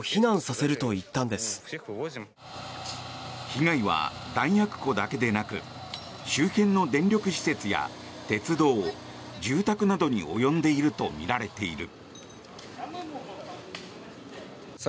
被害は弾薬庫だけでなく周辺の電力施設や鉄道、住宅などに及んでいるとみられている。